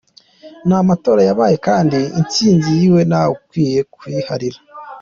Ni amatora yabaye kandi intsinzi yiwe ntawukwiye kuyiharira.